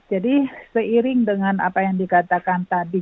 jadi seiring dengan apa yang dikatakan tadi